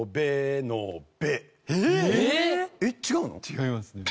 違いますね。